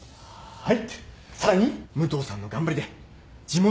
はい。